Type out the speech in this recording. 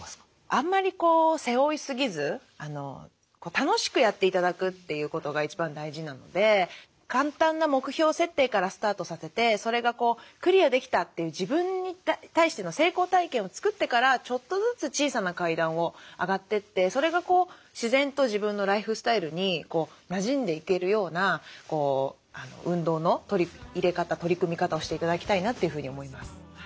あんまり背負い過ぎず楽しくやって頂くということが一番大事なので簡単な目標設定からスタートさせてそれがクリアできたっていう自分に対しての成功体験を作ってからちょっとずつ小さな階段を上がってってそれが自然と自分のライフスタイルになじんでいけるような運動の取り入れ方取り組み方をして頂きたいなというふうに思います。